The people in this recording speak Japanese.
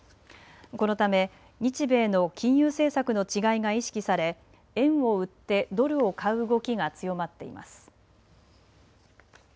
このため日米の金融政策の違いが意識され円を売ってドルを買う動きが強まっています。